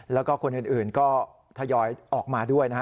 แล้วก็คนอื่นก็ทยอยออกมาด้วยนะฮะ